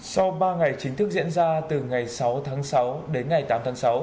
sau ba ngày chính thức diễn ra từ ngày sáu tháng sáu đến ngày tám tháng sáu